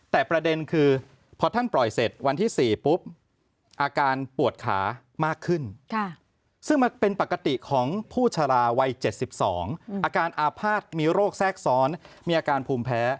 แต่ประเด็นคือพอท่านปล่อยเสร็จวันที่๔ปุ๊บ